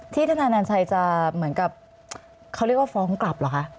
ธนานันชัยจะเหมือนกับเขาเรียกว่าฟ้องกลับเหรอคะ